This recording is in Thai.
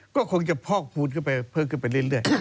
ก็คงจะเพิ่งขึ้นไปเรื่อย